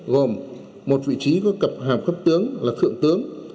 gồm một vị trí có cập hàm cấp tướng là thượng tướng